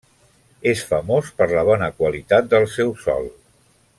És famós per la bona qualitat del seu sol.